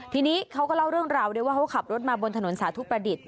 ทีนี้เขาก็เล่าเรื่องราวด้วยว่าเขาขับรถมาบนถนนสาธุประดิษฐ